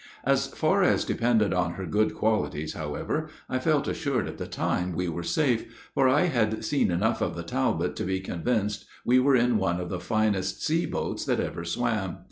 As far as depended on her good qualities, however, I felt assured at the time, we were safe, for I had seen enough of the Talbot to be convinced we were in one of the finest sea boats that ever swam.